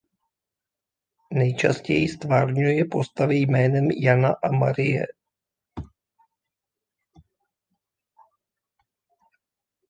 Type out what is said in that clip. Nejčastěji ztvárňuje postavy jménem Jana a Marie.